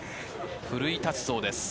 奮い立つそうです。